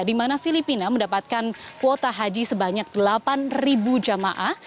di mana filipina mendapatkan kuota haji sebanyak delapan jamaah